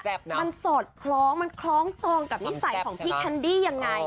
มันสอดคล้องมันคล้องจองกับนิสัยของพี่แคนดี้ยังไง